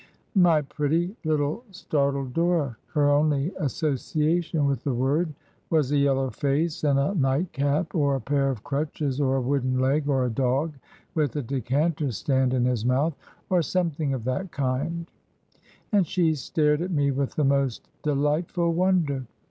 My pretty, httle startled Dora! Her only association with the word was a yellow face and a^night^^ap, or a pair of crutches, or a wooden leg, or a dog with a decanter stand in his mouth, or something of that kind; and she stared at me with the most delightful wonder.